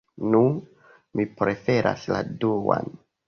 Nu, mi preferas la duan.